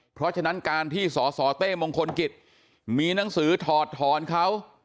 เพราะฉะนั้นการที่สสเต้มงคลกิจมีหนังสือถอดถอนเขา